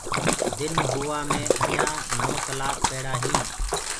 دن هووآ مي اجآنٚ نو ڪلآڪ پيڙي هي